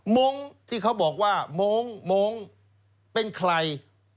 โม้งที่เขาบอกว่าโม้งโม้งเป็นใคร